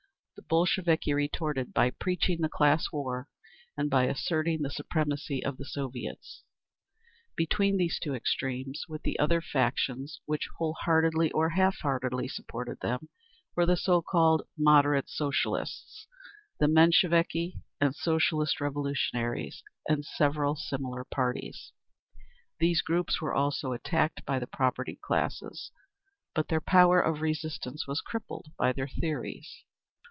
The Bolsheviki retorted by preaching the class war, and by asserting the supremacy of the Soviets. Between these two extremes, with the other factions which whole heartedly or half heartedly supported them, were the so called "moderate" Socialists, the Mensheviki and Socialist Revolutionaries, and several smaller parties. These groups were also attacked by the propertied classes, but their power of resistance was crippled by their theories.